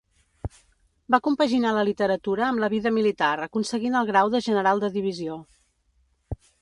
Va compaginar la literatura amb la vida militar aconseguint el grau de general de divisió.